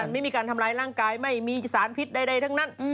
ไม่มีการทำร้ายร่างกายไม่มีสารพิษใดทั้งนั้น